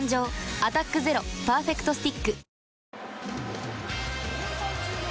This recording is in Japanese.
「アタックＺＥＲＯパーフェクトスティック」